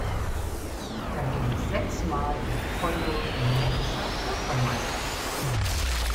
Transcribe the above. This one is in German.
Er wurde sechsmal in Folge rumänischer Fußballmeister.